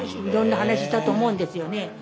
いろんな話したと思うんですよね。